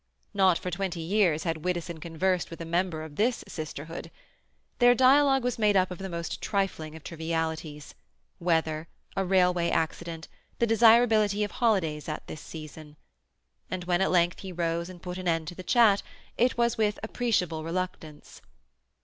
Not for twenty years had Widdowson conversed with a member of this sisterhood. Their dialogue was made up of the most trifling of trivialities—weather, a railway accident, the desirability of holidays at this season. And when at length he rose and put an end to the chat it was with appreciable reluctance.